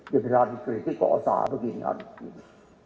dia bisa mengerti kok usaha begini harus begini